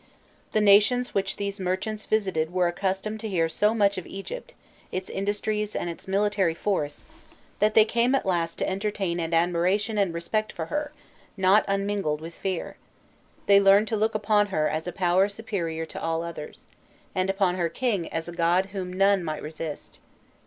The nations which these merchants visited were accustomed to hear so much of Egypt, its industries, and its military force, that they came at last to entertain an admiration and respect for her, not unmingled with fear: they learned to look upon her as a power superior to all others, and upon her king as a god whom none might resist.